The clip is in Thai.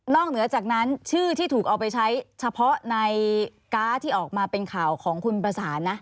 เหนือจากนั้นชื่อที่ถูกเอาไปใช้เฉพาะในการ์ดที่ออกมาเป็นข่าวของคุณประสานนะ